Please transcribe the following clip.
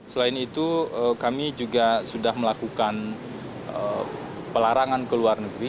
selain itu kami juga sudah melakukan pelarangan ke luar negeri